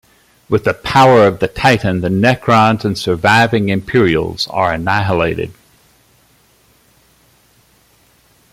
With the power of the Titan, the Necrons and surviving Imperials are annihilated.